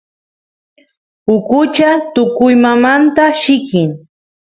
ukucha tukuymamanta llikin